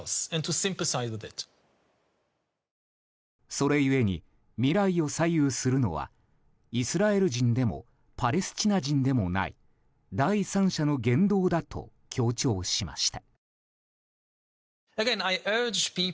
それ故に未来を左右するのはイスラエル人でもパレスチナ人でもない第三者の言動だと強調しました。